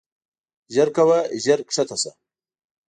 ژر کوه ژر کښته شه.